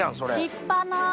立派な。